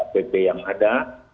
pp yang ada